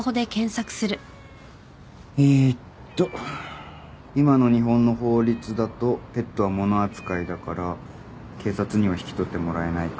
えーっと今の日本の法律だとペットは物扱いだから警察には引き取ってもらえないか。